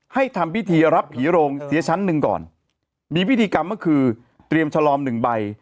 ทำพิธีรับผีโรงเสียชั้นหนึ่งก่อนมีพิธีกรรมก็คือเตรียมฉลอมหนึ่งใบ